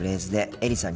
エリさん。